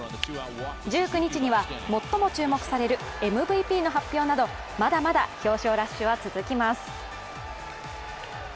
１９日には最も注目されるＭＶＰの発表などまだまだ表彰ラッシュは続きます。